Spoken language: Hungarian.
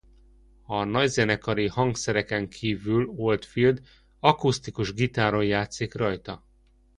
A nagyzenekari hangszereken kívül Oldfield akusztikus gitáron játszik rajta.